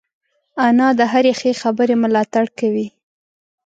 انا د هرې ښې خبرې ملاتړ کوي